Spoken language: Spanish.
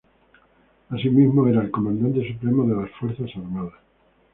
Asimismo, era el comandante supremo de las Fuerzas Armadas.